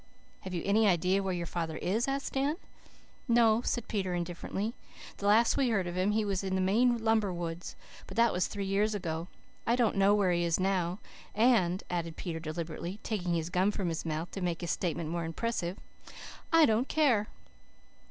"Have you any idea where your father is?" asked Dan. "No," said Peter indifferently. "The last we heard of him he was in the Maine lumber woods. But that was three years ago. I don't know where he is now, and," added Peter deliberately, taking his gum from his mouth to make his statement more impressive, "I don't care."